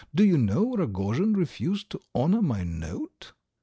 Do you know Rogozhin refused to honour my note?"